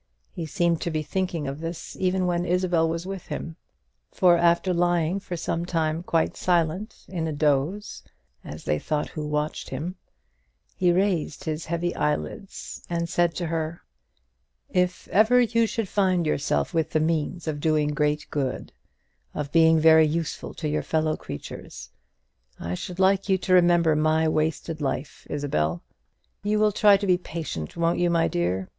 He seemed to be thinking of this even when Isabel was with him; for after lying for some time quite silent, in a doze, as they thought who watched him, he raised his heavy eyelids, and said to her, "If ever you should find yourself with the means of doing great good, of being very useful to your fellow creatures, I should like you to remember my wasted life, Isabel. You will try to be patient, won't you, my dear?